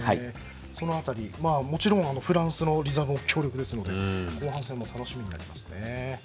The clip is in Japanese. その辺り、もちろんフランスのリザーブも強力ですので後半戦も楽しみですね。